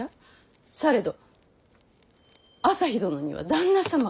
されど旭殿には旦那様が。